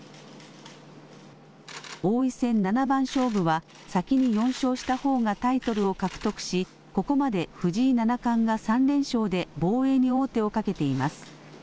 王位戦七番勝負は先に４勝したほうがタイトルを獲得し、ここまで藤井七冠が３連勝で防衛に王手をかけています。